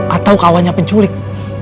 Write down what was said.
atau kawannya penculik